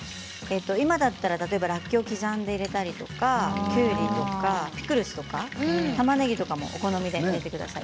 今だったららっきょうを刻んで入れたりきゅうりとかピクルスとかたまねぎとかお好みで入れてください。